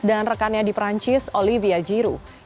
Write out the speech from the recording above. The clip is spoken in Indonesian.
dan rekannya di perancis olivier giroud